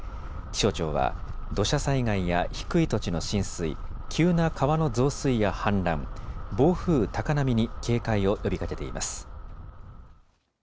気象庁は土砂災害や低い土地の浸水、急な川の増水や氾濫、暴風、高波に警戒を呼びかけています。